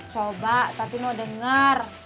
coba tapi mau denger